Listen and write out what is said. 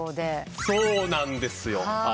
そうなんですよ。